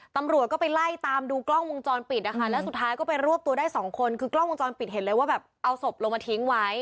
ตำรวจก็ไปไล่ตามดูกล้องวงจรปิดนะคะแล้วสุดท้ายก็ไปรวบตัวได้สองคนคือกล้องวงจรปิดเห็นเลยว่าแบบเอาศพลงมาทิ้งไว้